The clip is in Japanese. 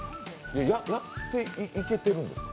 やっていけてるんですか？